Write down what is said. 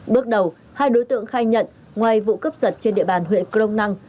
bước đầu hai đối tượng khai nhận ngoài vụ cướp giật trên địa bàn huyện crong năng